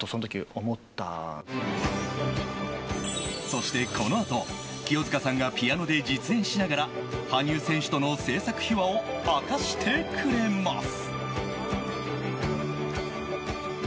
そして、このあと清塚さんがピアノで実演しながら羽生選手との制作秘話を明かしてくれます。